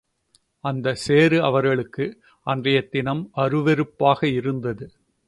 அந்த, சேறு அவர்களுக்கு அன்றை தினம் அருவெறுப்பாக இருந்தது.